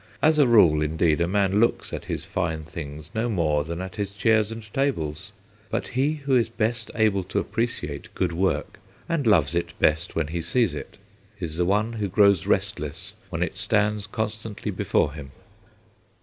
As a rule, indeed, a man looks at his fine things no more than at his chairs and tables. But he who is best able to appreciate good work, and loves it best when he sees it, is the one who grows restless when it stands constantly before him.